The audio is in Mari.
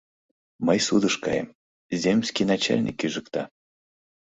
Мый судыш каем, земский начальник ӱжыкта.